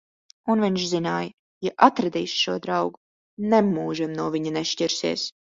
Un viņš zināja: ja atradīs šo draugu, nemūžam no viņa nešķirsies.